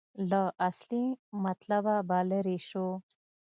له اصلي مطلبه به لرې شو.